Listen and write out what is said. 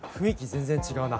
全然違うな。